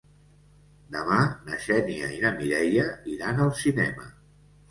Demà na Xènia i na Mireia iran al cinema.